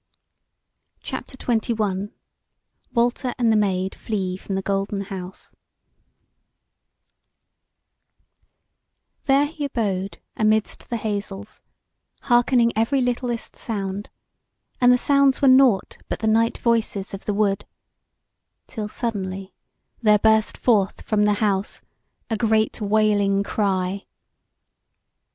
CHAPTER XXI: WALTER AND THE MAID FLEE FROM THE GOLDEN HOUSE There he abode amidst the hazels, hearkening every littlest sound; and the sounds were nought but the night voices of the wood, till suddenly there burst forth from the house a great wailing cry.